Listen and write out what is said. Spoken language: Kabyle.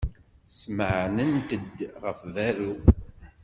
Smeɛnent-d ɣef berru.